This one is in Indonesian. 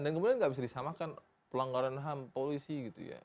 dan kemudian nggak bisa disamakan pelanggaran ham polisi gitu ya